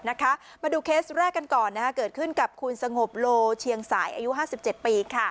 มาดูเคสแรกกันก่อนเกิดขึ้นกับคุณสงบโลเชียงสายอายุ๕๗ปี